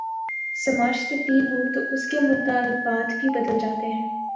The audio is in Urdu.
سماج تبدیل ہو تو اس کے مطالبات بھی بدل جاتے ہیں۔